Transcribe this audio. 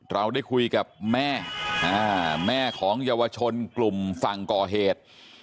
เราได้คุยกับแม่แม่ของเยาวชนกลุ่มฝั่งก่อเหตุ